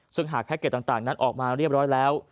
ซึ่งหากแพ็กเกจต่างนั้นออกมาเรียบร้อยแล้ว